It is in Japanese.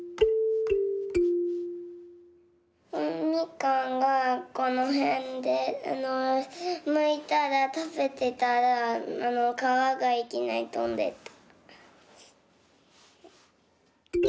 みかんがこのへんでむいたらたべてたらあのかわがいきなりとんでった。